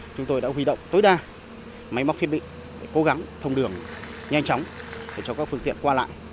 chúng tôi đã huy động tối đa máy móc thiết bị cố gắng thông đường nhanh chóng để cho các phương tiện qua lại